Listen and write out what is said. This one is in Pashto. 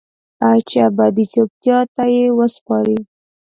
چې ابدي چوپتیا ته یې وسپارئ